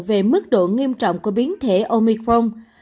về mức độ nghiêm trọng của biến thể omicron